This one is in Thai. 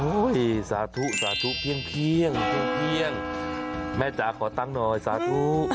ที่สาธุสาธุเพียงแม่จ๋าขอตั้งหน่อยสาธุ